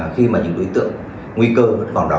khi mà những đối tượng nguy cơ còn đó